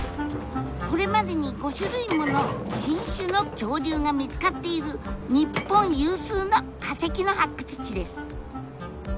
これまでに５種類もの新種の恐竜が見つかっている日本有数の化石の発掘地です。